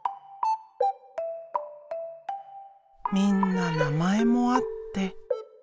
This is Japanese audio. みんな名前もあって。